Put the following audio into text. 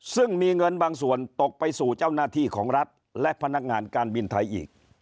ซึ่งมีเงินบางส่วนตกไปสู่เจ้าหน้าที่ของรัฐและพนักงานการบินไทยอีก